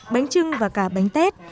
bánh trưng và cả bánh tết